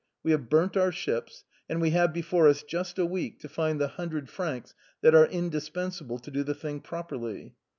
We have burnt our ships, and we have before us just a week to find the hundred francs that are indispensable to do the thing properly."